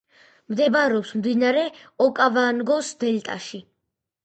მდებარეობს მდინარე ოკავანგოს დელტაში.